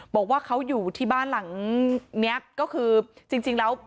บอกว่าเขาอยู่ที่บ้านหลังเนี้ยก็คือจริงแล้ว